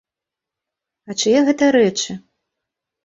А чые гэта рэчы?